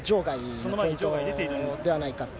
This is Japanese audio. その前に場外に出ているのではないかと。